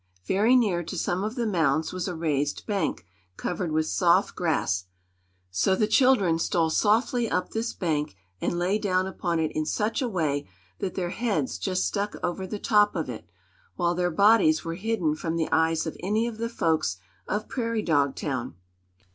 Very near to some of the mounds was a raised bank, covered with soft grass; so the children stole softly up to this bank and lay down upon it in such a way that their heads just stuck over the top of it, while their bodies were hidden from the eyes of any of the folks of Prairie Dog Town.